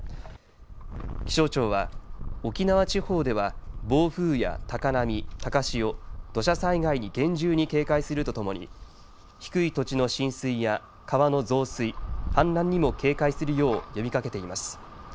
気象庁は沖縄地方では暴風や高波、高潮土砂災害に厳重に警戒するとともに低い土地の浸水や川の増水、氾濫にも警戒するよう呼びかけています。